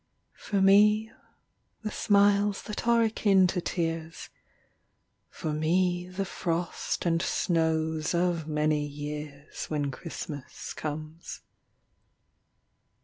For me, the smiles that are akin to tears, For me, the frost and snows of many years, When Christmas comes.